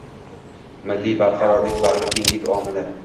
Milliy barqarorlik – bag‘rikenglik omili